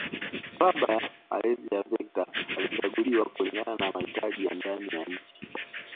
Kabla ya malezi ya vector alichaguliwa kulingana na mahitaji ya ndani ya nchi